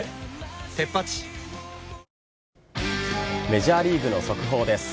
メジャーリーグの速報です。